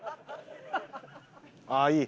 ああいい。